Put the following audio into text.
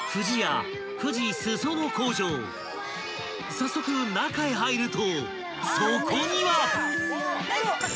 ［早速中へ入るとそこには］